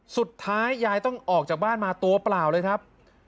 สุดท้ายยายต้องออกจากบ้านมาตัวเปล่าเลยครับ